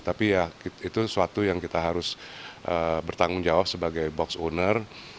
tapi ya itu suatu yang kita harus bertanggung jawab sebagai box owner